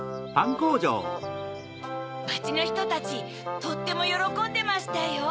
まちのひとたちとってもよろこんでましたよ。